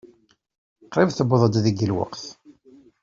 Qrib tewweḍ-d deg lweqt.